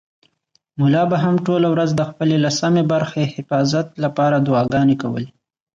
ملا به هم ټوله ورځ د خپلې لسمې برخې حفاظت لپاره دعاګانې کولې.